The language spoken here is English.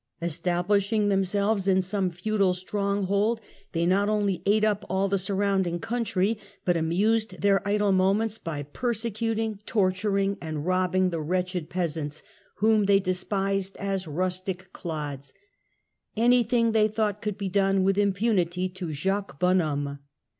Establishing themselves in some feudal stronghold they not only ate up all the surrounding country, but amused their idle moments by persecuting, torturing and robbing the wretched peasants, whom they despised as rustic clods ; anything they thought could be done with impunity to Jacques Bonhomme.